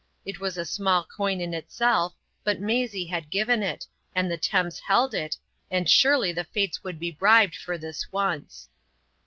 It was a small coin in itself, but Maisie had given it, and the Thames held it, and surely the Fates would be bribed for this once.